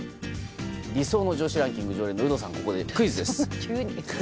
理想の上司ランキング常連の有働さんにここでクイズです。